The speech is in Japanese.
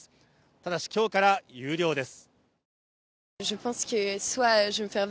ただしきょうから有料です